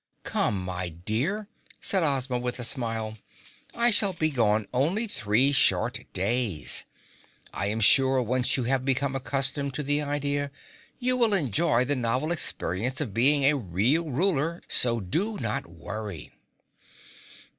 "Come, my dear," said Ozma with a smile. "I shall be gone only three short days. I am sure once you have become accustomed to the idea, you will enjoy the novel experience of being a real ruler, so do not worry."